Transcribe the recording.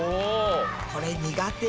これ苦手。